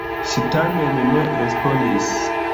Ŝi tamen ne respondis.